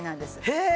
へえ！